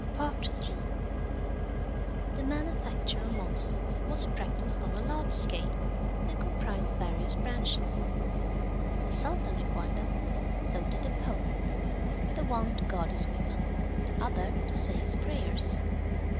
III. The manufacture of monsters was practised on a large scale, and comprised various branches. The Sultan required them, so did the Pope; the one to guard his women, the other to say his prayers.